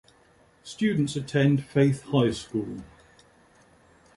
Students attend Faith High School.